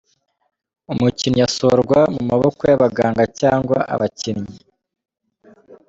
Umukinnyi asohorwa mu maboko y'abaganga cyangwa abakinnyi.